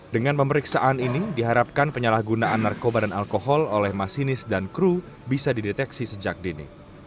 dengan pemeriksaan ini diharapkan penyalahgunaan narkoba dan alkohol oleh masinis dan kru bisa dideteksi sejak dini